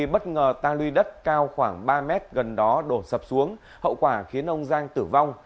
bất ngờ tang luy đất cao khoảng ba mét gần đó đổ sập xuống hậu quả khiến ông giang tử vong